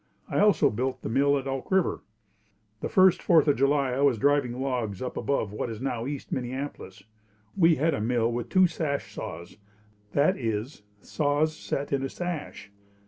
I also built the mill at Elk River. The first Fourth of July I was driving logs up above what is now East Minneapolis. We had a mill with two sash saws, that is, saws set in a sash.